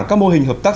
các mô hình hợp tác